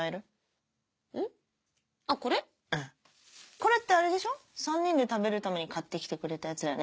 これってあれでしょ３人で食べるために買ってきてくれたやつだよね？